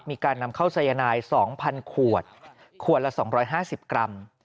มีการนำเข้าสายนาย๒๐๐ขวดขวดละ๒๕๐กรัม